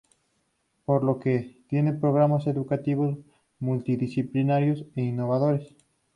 Por lo que, tiene programas educativos multidisciplinarios e innovadores.